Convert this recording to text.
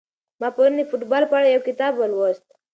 ما پرون د فوټبال په اړه یو کتاب ولوست.